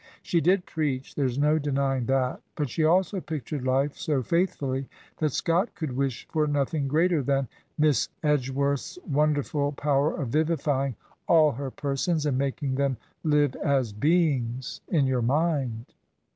She did preach, there is no denying that, but she also pictured life so faithfully that Scott could wish for nothing greater than "Miss Edgeworth's wonderful power of vivifying all her persons, and making them Uvc (13 beings in ydur mind."